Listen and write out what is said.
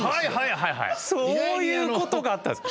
そういうことがあったんですか！